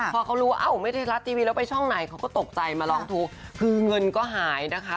พอเขารู้ว่าเอ้าไม่ได้รัฐทีวีแล้วไปช่องไหนเขาก็ตกใจมาร้องทุกข์คือเงินก็หายนะคะ